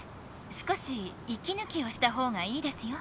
少しいきぬきをしたほうがいいですよ。